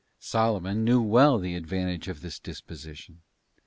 Solomon knew well the advantage of this disposition.